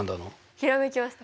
ひらめきました。